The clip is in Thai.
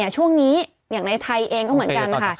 ช่วงนี้อย่างในไทยเองก็เหมือนกันค่ะ